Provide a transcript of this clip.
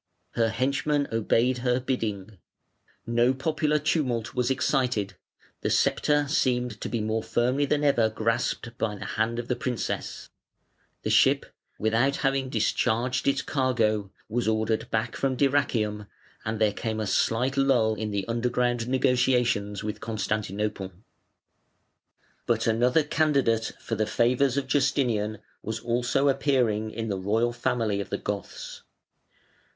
Her henchmen obeyed her bidding; no popular tumult was excited; the sceptre seemed to be more firmly than ever grasped by the hand of the princess; the ship, without having discharged its cargo, was ordered back from Dyrrhachium, and there came a slight lull in the underground negotiations with Constantinople. But another candidate for the favours of Justinian was also appearing in the royal family of the Goths.